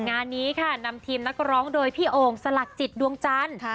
งานนี้ค่ะนำทีมนักร้องโดยพี่โอ่งสลักจิตดวงจันทร์